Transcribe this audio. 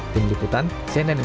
tim liputan cnn indonesia